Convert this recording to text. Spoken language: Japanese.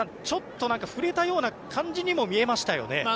ちょっと触れたような感じにも見えましたよね。